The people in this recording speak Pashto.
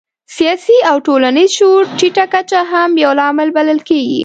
سیاسي او ټولنیز شعور ټیټه کچه هم یو لامل بلل کېږي.